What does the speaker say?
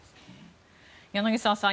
柳澤さん